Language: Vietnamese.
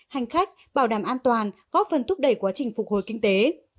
hành khách bảo đảm an toàn góp phần thúc đẩy quá trình phục hồi kinh tế